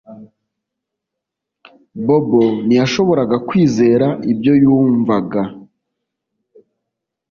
Bobo ntiyashoboraga kwizera ibyo yumvaga